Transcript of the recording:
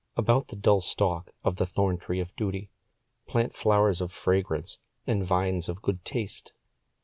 About the dull stalk of the thorntree of duty Plant flowers of fragrance and vines of good taste.